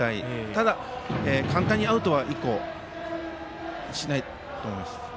ただ、簡単にアウトは１個しないと思います。